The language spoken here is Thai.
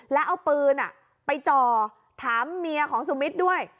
แล้วเอาปืนไปจ่อถามเมียของสุมิตรด้วย